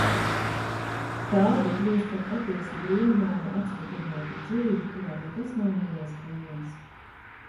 Tāda kļūst par patiesi brīnumainu, atsvabinātu dzīvi, kurā nekas nav neiespējams.